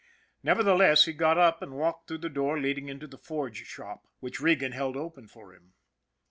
Nevertheless, he got up and walked through the door leading into the forge shop, which Regan held open for him.